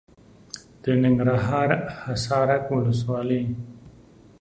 د ننګرهار حصارک ولسوالي .